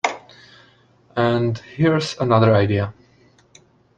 And here's another idea.